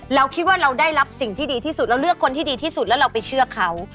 เราคิดว่าเราได้รับสิ่งที่ดีที่สุดเราเลือกคนที่ดีที่สุดแล้วเราไปเชื่อเขา